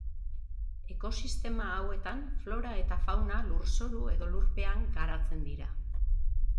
Ekosistema hauetan, flora eta fauna lurzoru edo lurpean garatzen dira.